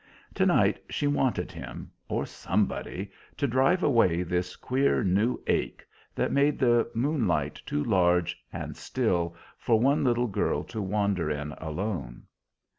To night she wanted him, or somebody, to drive away this queer new ache that made the moonlight too large and still for one little girl to wander in alone.